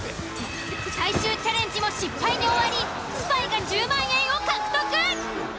最終チャレンジも失敗に終わりスパイが１０万円を獲得。